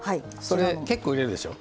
結構、入れるでしょ？